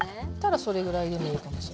それぐらいでもいいかもしれない。